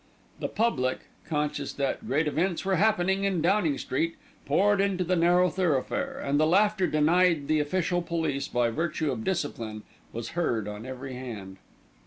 The public, conscious that great events were happening in Downing Street, poured into the narrow thoroughfare, and the laughter denied the official police by virtue of discipline was heard on every hand.